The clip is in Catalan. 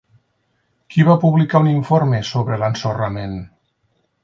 Qui va publicar un informe sobre l'ensorrament?